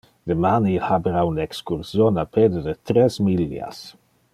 Deman il habera un excursion a pede de tres millias.